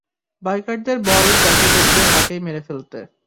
বাইকারদের বল যাকে দেখবে তাকেই মেরে ফেলতে।